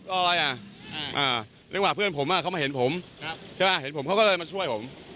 เรื่องกว่าเพื่อนผมเขามาเห็นผมเขาก็เลยมาช่วยผม